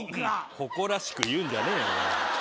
誇らしく言うんじゃねえよ